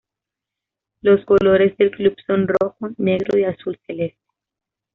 Los colores del club son rojo, negro y azul celeste.